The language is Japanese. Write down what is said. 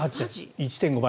１．５倍。